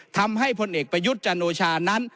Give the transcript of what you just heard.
ทำให้พลเอกประยุทธจันโอชานั้น